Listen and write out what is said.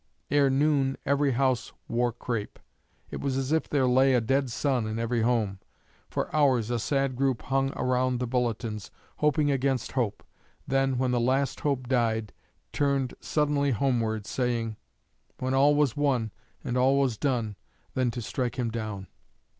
Ere noon every house wore crape; it was as if there lay a dead son in every home. For hours a sad group hung around the bulletins, hoping against hope; then, when the last hope died, turned sullenly homeward, saying, 'When all was won, and all was done, then to strike him down!'